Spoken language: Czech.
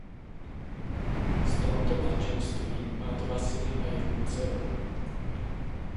Z tohoto manželství má dva syny a jednu dceru.